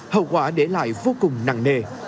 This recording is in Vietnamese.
hậu quả để lại vô cùng nặng nề